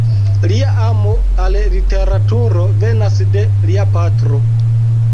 Lia amo al literaturo venas de lia patro.